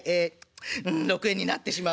うん６円になってしまう。